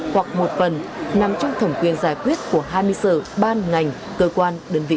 hoặc một phần nằm trong thẩm quyền giải quyết của hai mươi sở ban ngành cơ quan đơn vị